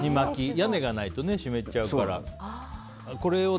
屋根がないとね湿っちゃうから。